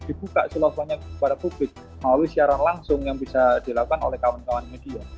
dibuka seluruhnya kepada publik melalui siaran langsung yang bisa dilakukan oleh kawan kawan media